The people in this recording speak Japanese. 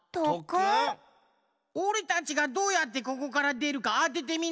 おれたちがどうやってここからでるかあててみな！